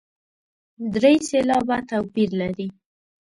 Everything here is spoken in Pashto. درې سېلابه توپیر لري.